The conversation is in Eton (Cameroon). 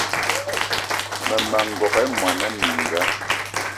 Mmema n'gogué mona mininga